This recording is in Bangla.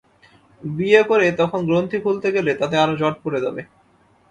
বিয়ে করে তখন গ্রন্থি খুলতে গেলে তাতে আরো জট পড়ে যাবে।